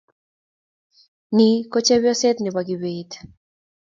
Ni ko chepyoset nebo Kibet